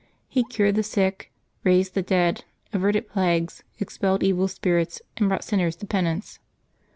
^' He cured the sick, raised the dead, averted plagues, expelled evil spirits, and brought sinners to penance.